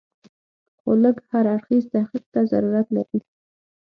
خو لږ هر اړخیز تحقیق ته ضرورت لري.